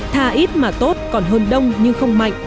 thà ít mà tốt còn hơn đông nhưng không mạnh